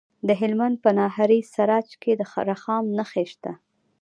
د هلمند په ناهري سراج کې د رخام نښې شته.